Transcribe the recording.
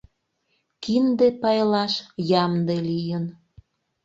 Кинде пайлаш ямде лийын.